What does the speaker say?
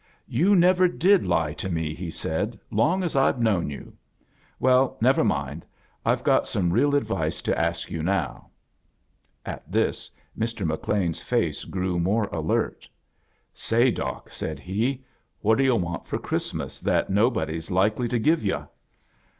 "Yoa never did lie to me," he said, "long as Fve known yoa. Veil, never mind. I've got some real advice to ask yoo now." At this Mr. McLean's face grew more alert. "Say, Eoc," said he, "what do yu' want for Christmas that nobody's likely to give 70*